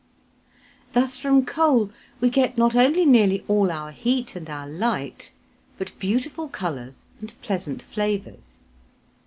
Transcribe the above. Thus from coal we get not only nearly all our heat and our light, but beautiful colours and pleasant flavours.